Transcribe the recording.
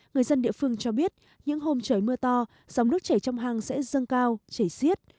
người dân địa phương cho biết những hôm trời mưa to gió nước chảy trong hang sẽ dâng cao chảy xiết